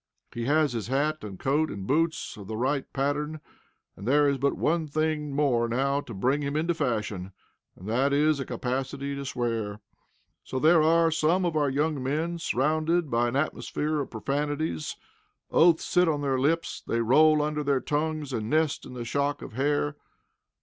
He has his hat and coat and boots of the right pattern, and there is but one thing more now to bring him into fashion, and that is a capacity to swear. So there are some of our young men surrounded by an atmosphere of profanities. Oaths sit on their lips, they roll under their tongues, and nest in the shock of hair.